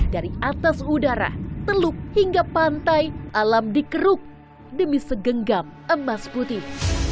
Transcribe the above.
dari atas udara teluk hingga pantai alam dikeruk demi segenggam emas putih